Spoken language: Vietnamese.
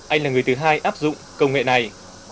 anh là người thứ hai áp dụng công nghệ này